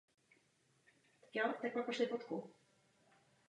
V příloze ještě posílám skoro konečnou verzi příloh.